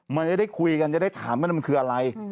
มันจะได้คุยกันจะได้ถามว่ามันคืออะไร